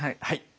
はい。